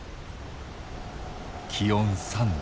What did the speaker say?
気温３度。